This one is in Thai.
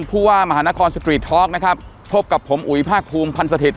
ภูว่ามหานครนะครับพบกับผมอุ๋ยภาคภูมิพันธ์สถิตย์